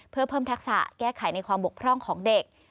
เพื่อเพิ่มทักษะแก้ไขในความบกพร่องของเด็ก